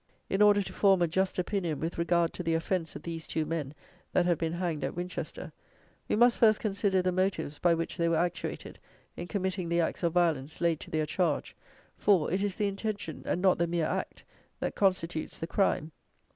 In order to form a just opinion with regard to the offence of these two men that have been hanged at Winchester, we must first consider the motives by which they were actuated, in committing the acts of violence laid to their charge. For, it is the intention, and not the mere act, that constitutes the crime.